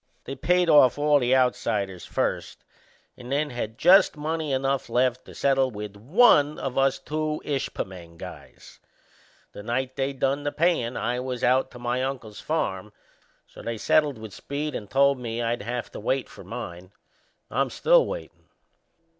They paid off all the outsiders first and then had just money enough left to settle with one of us two Ishpeming guys. The night they done the payin' I was out to my uncle's farm, so they settled with Speed and told me I'd have to wait for mine. I'm still waitin'!